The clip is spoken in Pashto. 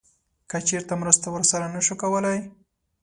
که چیرته مرسته ورسره نه شو کولی